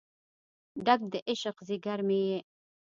ډک د عشق ځیګر مې یې